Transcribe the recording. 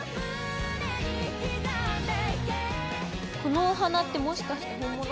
このお花ってもしかして本物？